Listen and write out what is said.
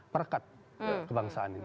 perkat kebangsaan ini